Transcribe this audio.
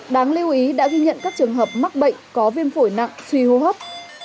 đáng lưu ý đã ghi nhận các trường hợp mắc bệnh có viêm phổi nặng suy hô hấp